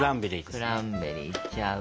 クランベリーいっちゃう？